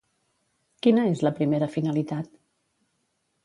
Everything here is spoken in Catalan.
Quina és la primera finalitat?